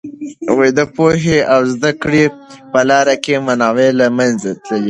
د پوهې او زده کړې په لاره کې موانع له منځه تللي.